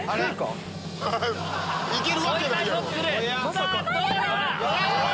さぁどうだ